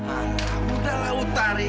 alam udah lautare